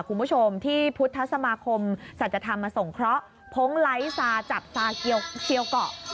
คุณผู้ชมที่พุทธสมาคมสัจธรรมสงเคราะห์พงไลท์ซาจับซาเกียวเกาะ